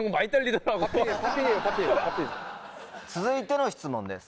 続いての質問です。